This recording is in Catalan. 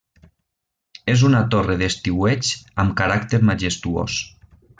És una torre d'estiueig amb caràcter majestuós.